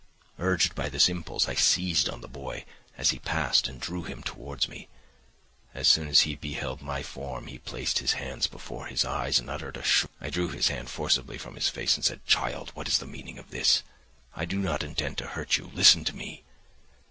"Urged by this impulse, I seized on the boy as he passed and drew him towards me. As soon as he beheld my form, he placed his hands before his eyes and uttered a shrill scream; I drew his hand forcibly from his face and said, 'Child, what is the meaning of this? I do not intend to hurt you; listen to me.